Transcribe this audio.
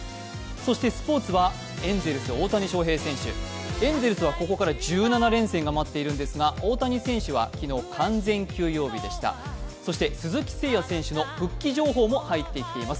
そしてスポーツはエンゼルス大谷翔平選手、エンゼルスはここから１７連戦が決まっているんですが、大谷選手は昨日、完全休養日でしたそして鈴木誠也選手の復帰情報も入ってきています。